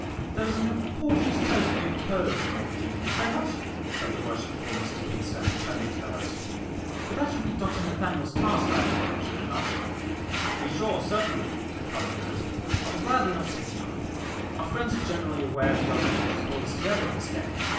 "There is an important toast to be proposed, Neighbour Deane, is there not?" said the Worshipful Mr Pinkstone, turning to the host; "but that should be Dr Nathaniel's task, I opine, should it not?" "To be sure, certainly," said Cousin Nat, "I will gladly undertake the honour. Our friends are generally aware of the object which has called us together this day.